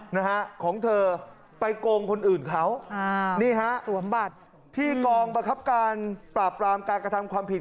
นะฮะของเธอไปโกงคนอื่นเขาอ่านี่ฮะสวมบัตรที่กองบังคับการปราบปรามการกระทำความผิด